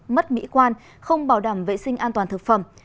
mất mỹ quan không bảo đảm vệ sinh an toàn thực phẩm